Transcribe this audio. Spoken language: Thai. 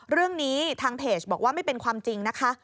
เรื่องนี้ทางเพจบอกว่าไม่เป็นความจริงนะคะ